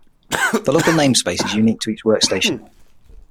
The local name space is unique to each workstation.